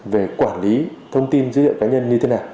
về quản lý thông tin dữ liệu cá nhân như thế nào